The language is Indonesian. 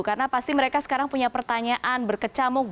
karena pasti mereka sekarang punya pertanyaan berkecamuk